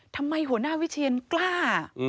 ทำไมหัวหน้าวิเชียนกล้า